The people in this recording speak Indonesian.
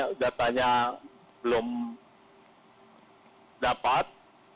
namun beberapa pesawat yang dialihkan itu sesuai sop juga